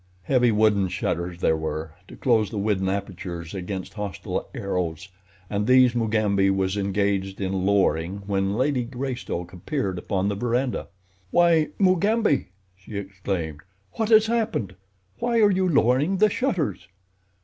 Heavy, wooden shutters there were to close the window apertures against hostile arrows, and these Mugambi was engaged in lowering when Lady Greystoke appeared upon the veranda. "Why, Mugambi!" she exclaimed. "What has happened? Why are you lowering the shutters?"